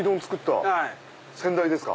先代ですか？